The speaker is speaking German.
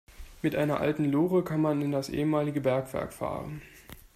Mit einer alten Lore kann man in das ehemalige Bergwerk fahren.